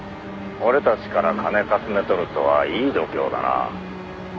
「俺たちから金かすめ取るとはいい度胸だな」